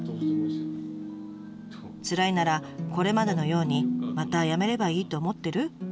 つらいならこれまでのようにまた辞めればいいと思ってる？